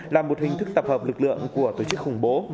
là một hình thức tập hợp lực lượng của tổ chức khủng bố